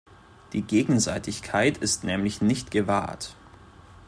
Die Gegenseitigkeit ist nämlich nicht gewahrt.